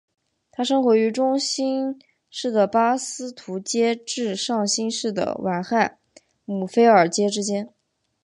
它生活于中新世的巴斯图阶至上新世的晚亥姆菲尔阶之间。